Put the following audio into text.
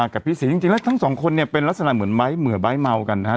กับพี่ศรีจริงแล้วทั้งสองคนเนี่ยเป็นลักษณะเหมือนไม้เหมือไม้เมากันนะครับ